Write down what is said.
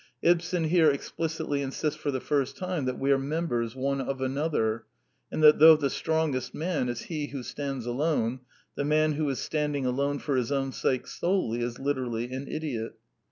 Ibsen here explicitly insists for the first time that " we are members one of another," and that though the strongest man is he who stands alone, the man who Is standing alone for his own sake solely is literally an idiot.